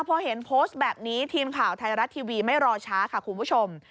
พอเห็นโพสต์แบบนี้ทีมข่าวไทยรัฐทีวีไม่รอช้าค่ะคุณผู้ชม